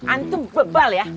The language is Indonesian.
anu bebal ya